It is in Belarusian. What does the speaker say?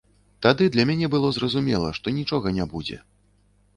Тады для мяне было зразумела, што нічога не будзе.